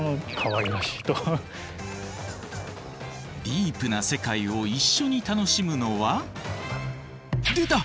ディープな世界を一緒に楽しむのは出た！